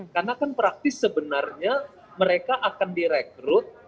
karena kan praktis sebenarnya mereka akan direkrut